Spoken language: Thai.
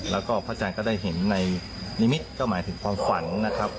แล้วก็พระอาจารย์ก็ได้เห็นในนิมิตก็หมายถึงความฝันนะครับ